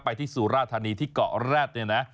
ที่สุราธานีที่เกาะแร็ดเนี่ยนะ